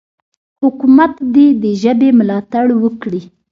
حکومت دې د ژبې ملاتړ وکړي.